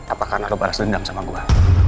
apa karena lo balas dendam sama gue